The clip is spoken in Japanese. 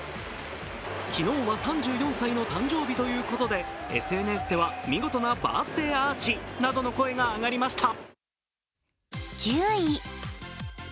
昨日は３４歳の誕生日ということでＳＮＳでは見事なバースデーアーチなどの声が上がりました。